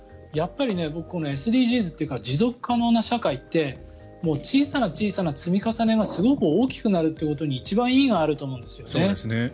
やっぱり僕ＳＤＧｓというか持続可能な社会って小さな小さな積み重ねがすごく大きくなるということに一番意義があると思ってるんです。